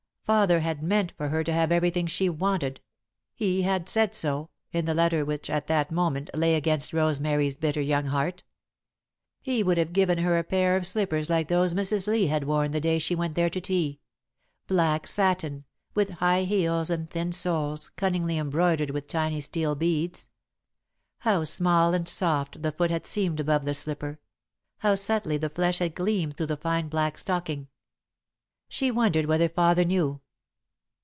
Father had meant for her to have everything she wanted he had said so, in the letter which at that moment lay against Rosemary's bitter young heart. He would have given her a pair of slippers like those Mrs. Lee had worn the day she went there to tea black satin, with high heels and thin soles, cunningly embroidered with tiny steel beads. How small and soft the foot had seemed above the slipper; how subtly the flesh had gleamed through the fine black silk stocking! She wondered whether father knew.